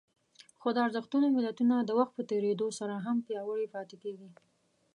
خو د ارزښتونو ملتونه د وخت په تېرېدو سره هم پياوړي پاتې کېږي.